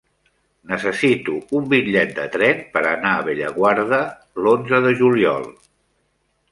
Necessito un bitllet de tren per anar a Bellaguarda l'onze de juliol.